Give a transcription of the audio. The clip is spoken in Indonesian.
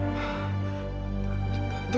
masa nggak tahu